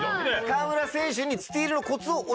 河村選手に。